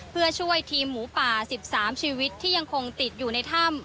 เพื่อช่วยทีมหมูป่า๑๓ชีวิตที่ยังคงติดอยู่ในถ้ำ